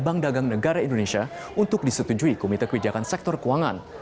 bank dagang negara indonesia untuk disetujui komite kebijakan sektor keuangan